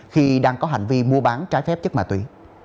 khi đang có hành vi mua bán trái phép chất ma túy